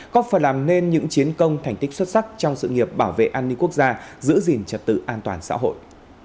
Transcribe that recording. có phần làm nên những chiến công thành tích xuất sắc trong sự nghiệp bảo vệ an ninh quốc gia giữ gìn trật tự an toàn xã hội